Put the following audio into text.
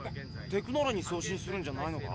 テクノーラに送信するんじゃないのか？